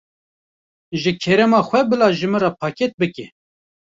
Ji kerema xwe bila ji min re pakêt bike.